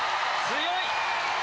強い！